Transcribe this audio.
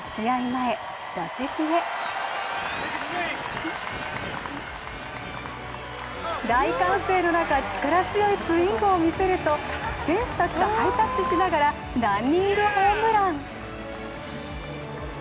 前、打席へ大歓声の中、力強いスイングを見せると選手たちとハイタッチしながらランニングホームラン。